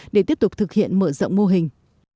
để tiếp tục thực hiện mở rộng mô hình